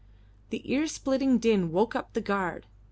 The ear splitting din woke up the guard.